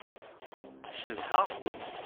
Cedhaɣ-ken.